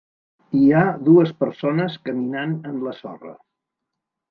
Hi ha dues persones caminant en la sorra.